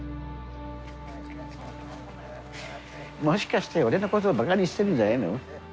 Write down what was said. もしかして俺のことバカにしてるんじゃないの？